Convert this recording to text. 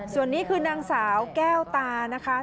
ส่วนนี้คือนางสาวแก้วตานะคะ